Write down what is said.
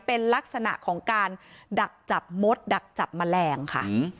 เป็นลักษณะของการดักจับมดดักจับแมลงค่ะ